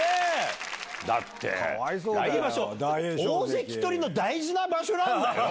だって来場所大関取りの大事な場所なんだよ！